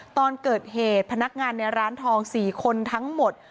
ตอนเกิดเหตุพนักงานในร้านทอง๔คนทั้งหมด